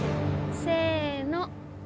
せの！